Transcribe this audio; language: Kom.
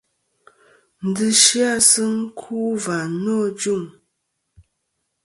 Ndzɨ sɨ-a sɨ ku va nô ajuŋ.